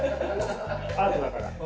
アートだから。